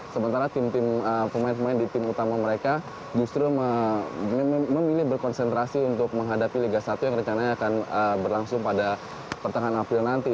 sementara tim tim pemain pemain di tim utama mereka justru memilih berkonsentrasi untuk menghadapi liga satu yang rencananya akan berlangsung pada pertengahan april nanti